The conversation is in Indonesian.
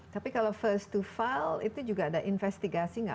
tapi kalau first to file itu juga ada investigasi nggak